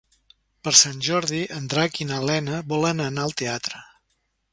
Per Sant Jordi en Drac i na Lena volen anar al teatre.